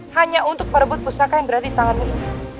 hanya untuk perebut pusaka yang berada di tanganmu ini